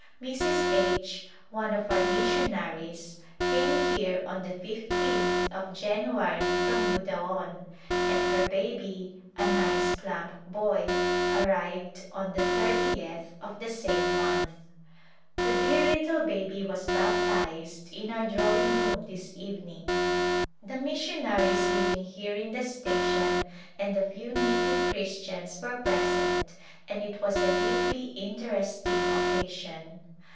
Mrs. H , one of our missionaries, came here on the 15th of January from Budaon, and her baby, a nice plump boy, arrived on the thirtieth of the same month. The dear httle baby was baptized in our drawing room this evening. The missionaries living here in the station, and a few native Christians were present and it was a deeply interesting occasion.